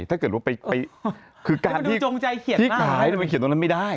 ถ้าเกิดว่าไปคือการที่ขายแล้วไปเขียนตรงนั้นไม่ได้